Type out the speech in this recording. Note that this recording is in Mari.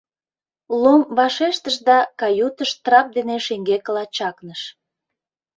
— Лом вашештыш да каютыш трап дене шеҥгекыла чакныш.